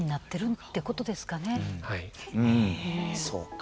そうか。